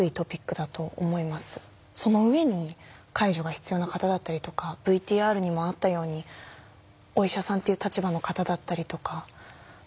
その上に介助が必要な方だったりとかＶＴＲにもあったようにお医者さんっていう立場の方だったりとかっていう何でしょう